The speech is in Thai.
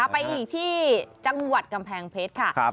ไปอีกที่จังหวัดกำแพงเพชรค่ะ